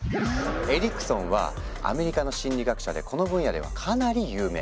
エリクソンはアメリカの心理学者でこの分野ではかなり有名。